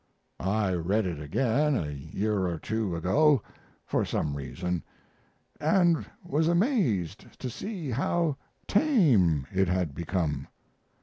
I read it again a year or two ago, for some reason, and was amazed to see how tame it had become.